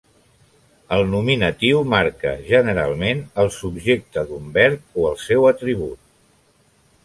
El nominatiu marca, generalment, el subjecte d'un verb o el seu atribut.